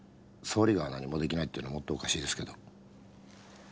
総理が何も出来ないっていうのはもっとおかしいですけど。